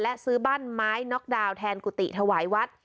และซื้อบ้านไม้น็อกดาวน์แทนกุฏิถวายวัด